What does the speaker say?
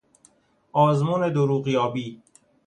آزمون دروغیابی